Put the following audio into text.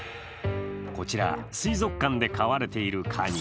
こちら、水族館で買われているカニ。